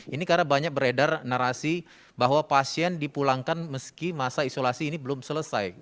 ini karena banyak beredar narasi bahwa pasien dipulangkan meski masa isolasi ini belum selesai